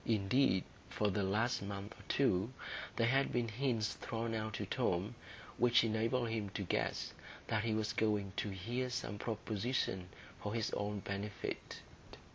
Indeed, for the last month or two, there had been hints thrown out to Tom which enabled him to guess that he was going to hear some proposition for his own benefit.